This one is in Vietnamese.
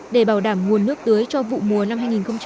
để bảo đảm nguồn nước tưới cho vụ mùa năm hai nghìn hai mươi